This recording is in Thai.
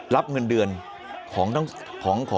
รับเงินเดือน